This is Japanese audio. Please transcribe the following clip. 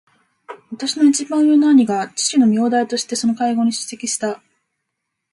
私の一番上の兄が父の名代としてその会合に出席した。